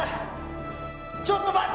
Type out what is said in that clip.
ちょっと待って！